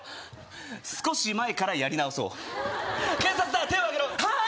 少し前からやり直そう警察だ手を上げろはい！